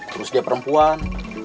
terus dia perempuan